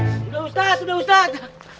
sudah ustadz sudah ustadz